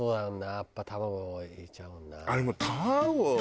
やっぱ卵入れちゃうんだよな。